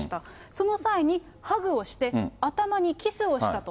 その際に、ハグをして、頭にキスをしたと。